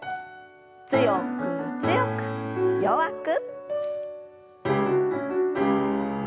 強く強く弱く。